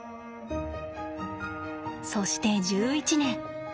そして１１年。